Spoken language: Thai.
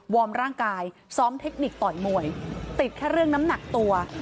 ร่างกายซ้อมเทคนิคต่อยมวยติดแค่เรื่องน้ำหนักตัว